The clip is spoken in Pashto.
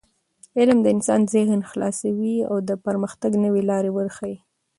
علم د انسان ذهن خلاصوي او د پرمختګ نوې لارې ورښيي.